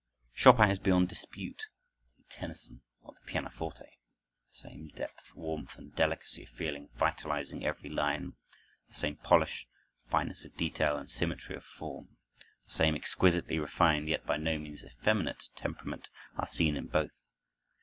Chopin is beyond dispute the Tennyson of the pianoforte. The same depth, warmth, and delicacy of feeling vitalizing every line, the same polish, fineness of detail, and symmetry of form, the same exquisitely refined, yet by no means effeminate, temperament are seen in both.